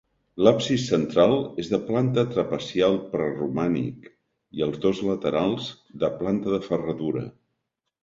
L'absis central és de planta trapezial, preromànic, i els dos laterals, de planta de ferradura.